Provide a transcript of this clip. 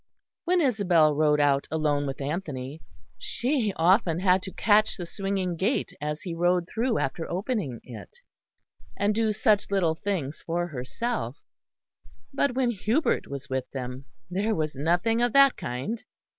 When Isabel rode out alone with Anthony, she often had to catch the swinging gate as he rode through after opening it, and do such little things for herself; but when Hubert was with them there was nothing of that kind.